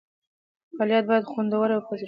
فعالیت باید خوندور او په زړه پورې وي.